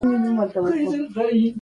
سپین ږیری د مينه او مهربانۍ مثال دي